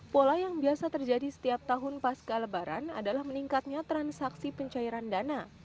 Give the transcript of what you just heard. pola yang biasa terjadi setiap tahun pasca lebaran adalah meningkatnya transaksi pencairan dana